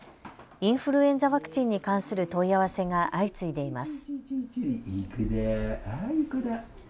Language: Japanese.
インフルエンザワクチンに関する問い合わせが相次いでいます。